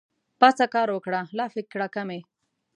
پاڅه کار وکړه لافې کړه کمې